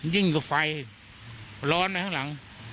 ยิ่งกับไฟร้อนมาข้างหลัง